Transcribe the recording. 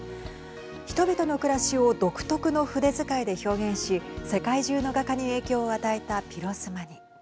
人々の暮らしを独特の筆遣いで表現し世界中の画家に影響を与えたピロスマニ。